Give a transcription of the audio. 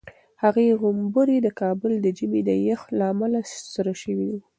د هغې غومبوري د کابل د ژمي د یخ له امله سره شوي وو.